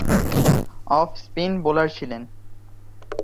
Of spin bowler ছিলেন।